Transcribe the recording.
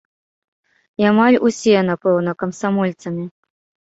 І амаль усе, напэўна, камсамольцамі.